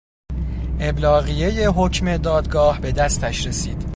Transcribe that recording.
ابلاغیهٔ حکم دادگاه به دستش رسید